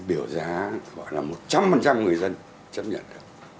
biểu giá gọi là một trăm linh người dân chấp nhận được